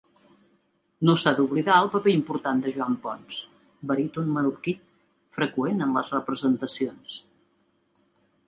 No s'ha d'oblidar el paper important de Joan Pons, baríton menorquí, freqüent en les representacions.